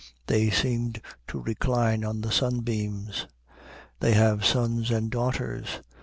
They seemed to recline on the sunbeams. They have sons and daughters.